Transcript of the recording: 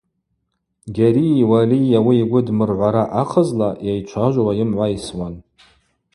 Гьарии Уалии ауи йгвы дмыргӏвара ахъазла, йайчважвауа йымгӏвайсуан.